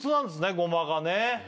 ごまがね